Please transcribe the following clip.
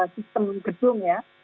sistem gedung ya